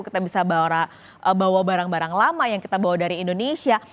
kita bisa bawa barang barang lama yang kita bawa dari indonesia